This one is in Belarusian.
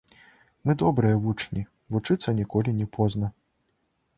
Мы добрыя вучні, вучыцца ніколі не позна.